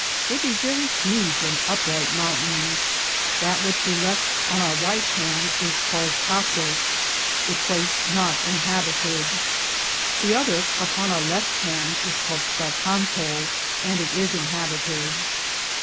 They be verrie hudge and up ryghte mountaines. That which we lefte on our Ryghte hande is calede Cassa/ a place not Inhabbited ; the other upon our lefte hande is caled Scarpanta, and it is Inhabitede.